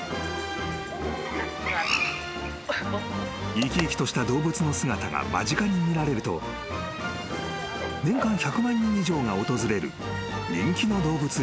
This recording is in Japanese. ［生き生きとした動物の姿が間近に見られると年間１００万人以上が訪れる人気の動物園である］